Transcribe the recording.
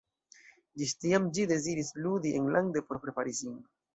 Ĝis tiam ĝi deziris ludi enlande por prepari sin.